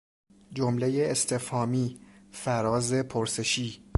جملهی استفهامی، فراز پرسشی